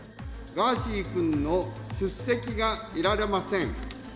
ガーシー君の出席が得られません。